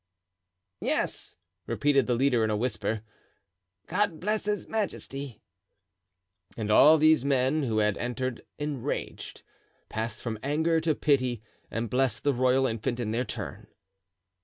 "Yes," repeated the leader in a whisper, "God bless his majesty!" and all these men, who had entered enraged, passed from anger to pity and blessed the royal infant in their turn.